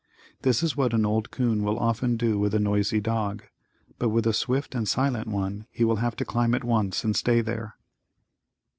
This is what an old 'coon will often do with a noisy dog, but with a swift and silent one he will have to climb at once and stay there.